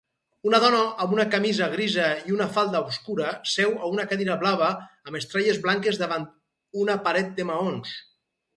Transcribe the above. Una dona amb una camisa grisa i una falda obscura seu a una cadira blava amb estrelles blanques davant una paret de maons